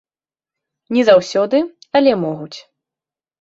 Не заўсёды, але могуць.